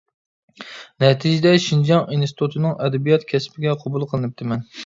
نەتىجىدە شىنجاڭ ئىنستىتۇتىنىڭ ئەدەبىيات كەسپىگە قوبۇل قىلىنىپتىمەن.